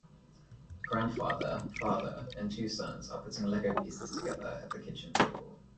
A grandfather, father, and two sons are putting Lego pieces together at the kitchen table.